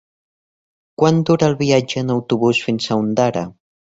Quant dura el viatge en autobús fins a Ondara?